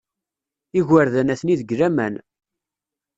Igerdan atni deg laman.